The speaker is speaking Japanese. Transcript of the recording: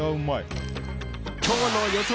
今日の予想